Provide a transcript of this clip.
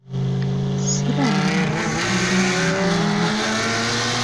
Sirabangako kalina ng'eyo.